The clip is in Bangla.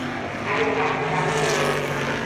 আরে বাহ্, দারুন লিখেছেন।